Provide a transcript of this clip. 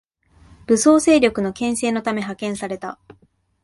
武装勢力への牽制のため派遣された